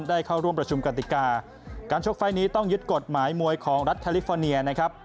เข้าร่วมประชุมกติกาการชกไฟล์นี้ต้องยึดกฎหมายมวยของรัฐแคลิฟอร์เนียนะครับ